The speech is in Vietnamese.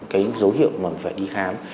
cái dấu hiệu mà mình phải đi khám